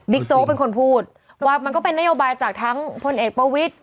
โจ๊กเป็นคนพูดว่ามันก็เป็นนโยบายจากทั้งพลเอกประวิทธิ